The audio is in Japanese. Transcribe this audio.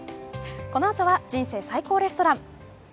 このあとは「人生最高レストラン」。